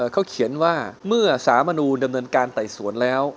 เขาเขียนว่าเมื่อสามนูลดำเนินการไต่สวนแล้ว